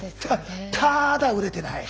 ただ売れてない。